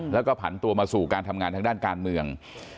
แล้วก็ผันตัวมาสู่การทำงานทางด้านการเมือง